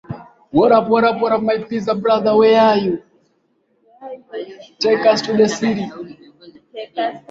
Wana dakika chache za kufanya mtihani ule